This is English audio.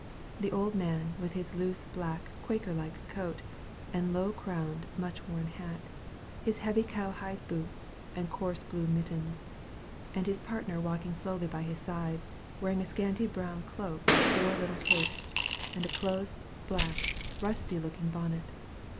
The old man, with his loose, black, Quaker like coat, and low crowned, much worn hat, his heavy cowhide boots, and coarse blue mittens; and his partner walking slowly by his side, wearing a scanty brown cloak with four little capes, and a close, black, rusty looking bonnet.